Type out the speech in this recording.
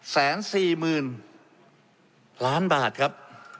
แสนสี่หมื่นล้านบาทครับ